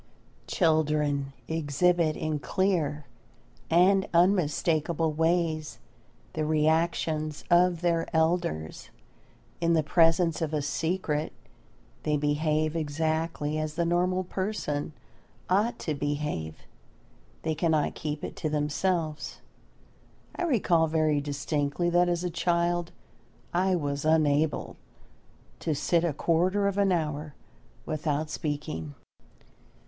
Children exhibit in clear and unmistakable ways the reactions of their elders. In the presence of a secret they behave exactly as the normal person ought to behave. They cannot keep it to themselves. I recall very distinctly that as a child I was unable to sit a quarter of an hour without speaking.